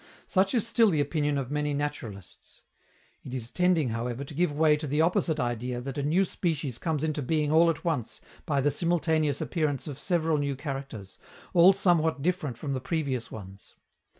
Such is still the opinion of many naturalists. It is tending, however, to give way to the opposite idea that a new species comes into being all at once by the simultaneous appearance of several new characters, all somewhat different from the previous ones.